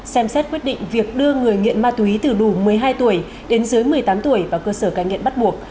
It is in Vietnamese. xem xét quyết định việc đưa người nghiện ma túy từ đủ một mươi hai tuổi đến dưới một mươi tám tuổi vào cơ sở cai nghiện bắt buộc